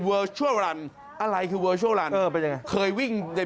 ชั่วรันอะไรคือเวิร์ชัวรันเออเป็นยังไงเคยวิ่งใน